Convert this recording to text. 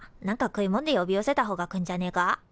なんか食いもんで呼び寄せたほうが来んじゃねえか？